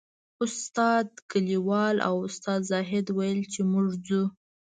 استاد کلیوال او استاد زاهد ویل چې موږ ځو.